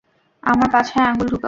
আমার পাছায় আঙুল ঢুকাও!